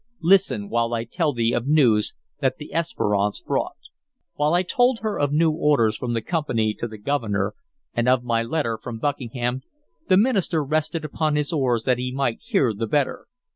Listen while I tell thee of news that the Esperance brought." While I told of new orders from the Company to the Governor and of my letter from Buckingham, the minister rested upon his oars that he might hear the better.